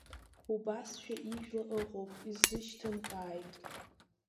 Убасшәа ижәла ыҟоуп, исзышьҭымкааит.